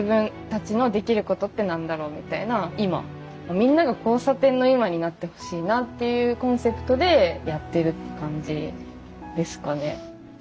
みんなが交差点の今になってほしいなっていうコンセプトでやってるって感じですかね。